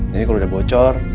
jadi kalau udah bocor